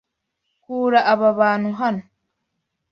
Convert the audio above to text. Kura aba bantu hano.